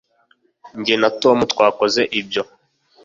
jye na tom twakoze ibyo